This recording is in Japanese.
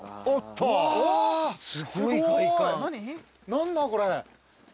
何だこれ。